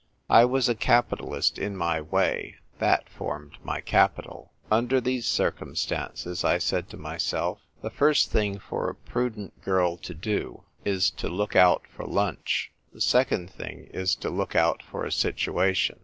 I was a capitalist in my way. That formed my capital. " Under these circumstances," I said to myself, " the first thing for a prudent girl to 20 THE TYPE WRITER GIRL. do is to look out for lunch ; the second thing is to look out for a situation."